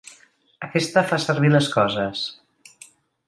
Aquesta fa servir les coses.